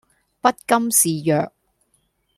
不甘示弱